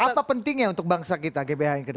apa pentingnya untuk bangsa kita gbhn ke depan